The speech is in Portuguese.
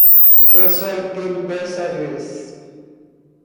Eu só entendo desta vez.